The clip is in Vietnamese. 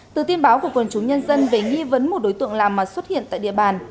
từ tin báo của quần chú nhân dân về nghi vấn một đối tượng lạ mặt xuất hiện tại địa bàn